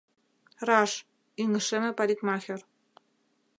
— Раш, — ӱҥышеме парикмахер.